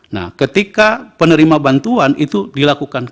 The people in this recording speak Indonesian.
nah ketika penerima bantuan itu dilakukan